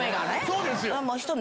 そうですよ。